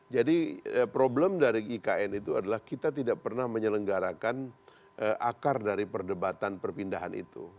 jadi problem dari ikn itu adalah kita tidak pernah menyelenggarakan akar dari perdebatan perpindahan itu